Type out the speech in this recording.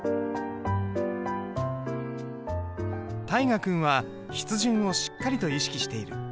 大河君は筆順をしっかりと意識している。